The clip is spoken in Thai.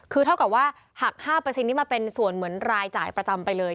คือเท่ากับว่าหัก๕นี้มาเป็นส่วนเหมือนรายจ่ายประจำไปเลย